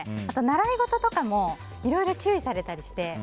あと、習い事とかもいろいろ注意されたりして。